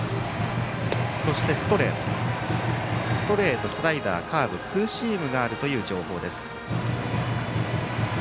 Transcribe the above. ストレート、スライダー、カーブツーシームがあるという情報です。